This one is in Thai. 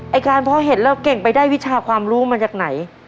การเพราะเห็นเราเก่งไปได้วิชาความรู้มาจากไหน